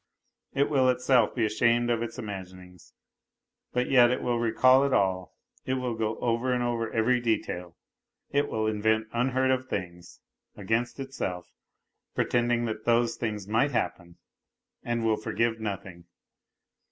It will itself be ashamed of its imaginings, but yet it will recall it all, it will go over and over every detail, it will invent unheard of things against itself, pretending that those things might happen, and will forgive nothing.